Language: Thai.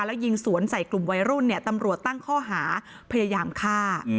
แล้วยิงสวนใส่กลุ่มวัยรุ่นเนี่ยตำรวจตั้งข้อหาพยายามฆ่า